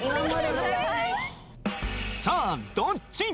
さあどっち？